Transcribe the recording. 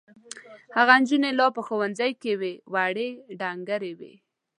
هغه نجونې لا په ښوونځي کې وې وړې ډنګرې وې.